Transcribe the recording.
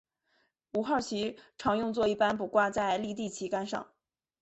五号旗常用作一般不挂在立地旗杆上。